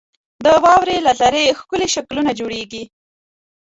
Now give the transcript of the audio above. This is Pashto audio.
• د واورې له ذرې ښکلي شکلونه جوړېږي.